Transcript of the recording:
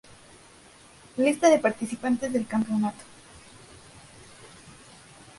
Lista de participantes del campeonato.